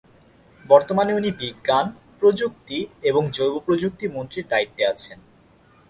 বর্তমানে উনি বিজ্ঞান, প্রযুক্তি এবং জৈবপ্রযুক্তি মন্ত্রীর দায়িত্বে আছেন।